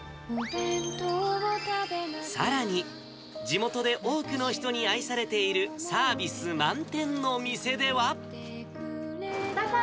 さらに、地元で多くの人に愛されているサービス満点のお店では。